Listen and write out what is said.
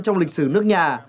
trong lịch sử nước nhà